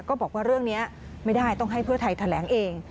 ก็บอกว่าเรื่องนี้ไม่ได้ต้องให้เพื่อไทยแถลงเอง